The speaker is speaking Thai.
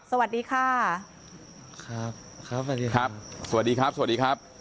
สวัสดีค่ะครับสวัสดีครับสวัสดีครับสวัสดีครับ